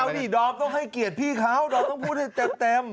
เฮ้ยไม่เอาสิดอล์ฟต้องให้เกียรติพี่เขาดอล์ฟต้องพูดให้เต็ม